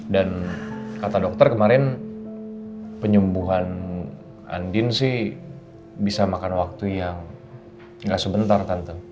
dan kata dokter kemarin penyembuhan andin sih bisa makan waktu yang nggak sebentar tante